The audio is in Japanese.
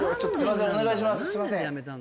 すいません